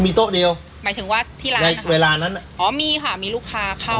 โต๊ะเดียวหมายถึงว่าที่ร้านในเวลานั้นอ่ะอ๋อมีค่ะมีลูกค้าเข้า